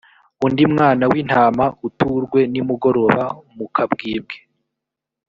undi mwana w’intama uturwe nimugoroba mu kabwibwi.